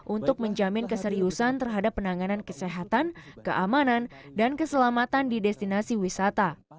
untuk menjamin keseriusan terhadap penanganan kesehatan keamanan dan keselamatan di destinasi wisata